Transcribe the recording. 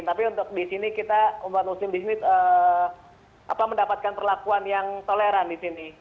tapi untuk di sini kita umat muslim di sini mendapatkan perlakuan yang toleran di sini